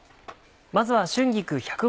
まずは。